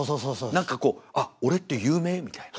何かこう「あっ俺って有名？」みたいな。